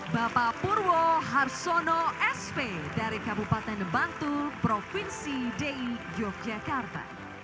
bapak purwo harsono sp dari kabupaten bantu provinsi di yogyakarta